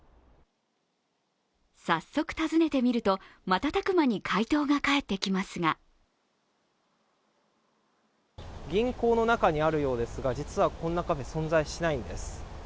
早速、尋ねてみると瞬く間に回答が返ってきますが銀行の中にあるようですが実はこんなカフェ、存在しないんです。